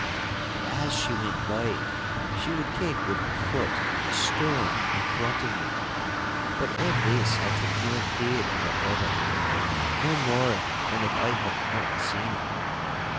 And as she went by, she would kick with her foot a stone in front of me. But of this I took no heed whatever, no more than if I had not seen it.